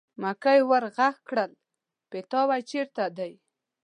مکۍ ور غږ کړل: پیتاوی چېرته دی.